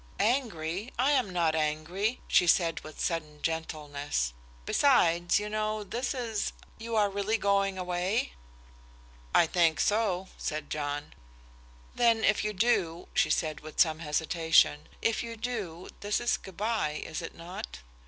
"Angry? I am not angry," she said with sudden gentleness. "Besides, you know, this is you are really going away?" "I think so," said John. "Then, if you do," she said with some hesitation "if you do, this is good by, is it not?"